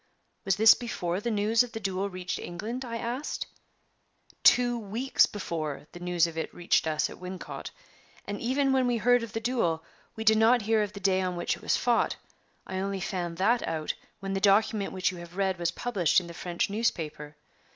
"Was this before the news of the duel reached England?" I asked. "Two weeks before the news of it reached us at Wincot. And even when we heard of the duel, we did not hear of the day on which it was fought. I only found that out when the document which you have read was published in the French newspaper.